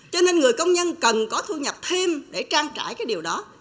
cho nên người công nhân cần có thu nhập thêm để trang trải cái điều đó